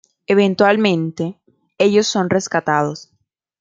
Eventualmente, ellos son rescatados.